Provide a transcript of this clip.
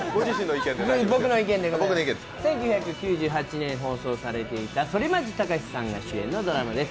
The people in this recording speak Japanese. １９９８年に放送されていた反町隆史さんが主演の作品です。